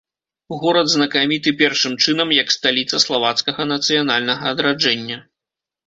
Горад знакаміты першым чынам як сталіца славацкага нацыянальнага адраджэння.